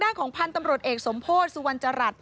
ทำความพันธ์ตำรวจเอกสมโพธิสุวรรค์จรัฐ